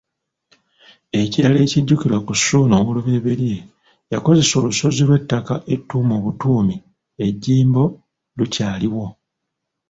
Ekirala ekijjukirwa ku Ssuuna I, yakozesa olusozi olw'ettaka ettuume obutuumi, e Jjimbo lukyaliwo.